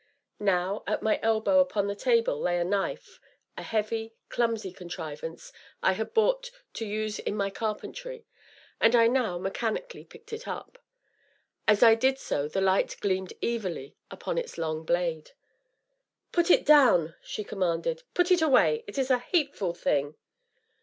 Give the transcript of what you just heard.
Now, at my elbow, upon the table, lay the knife, a heavy, clumsy contrivance I had bought to use in my carpentry, and I now, mechanically, picked it up. As I did so the light gleamed evilly upon its long blade. "Put it down!" she commanded; "put it away it is a hateful thing!"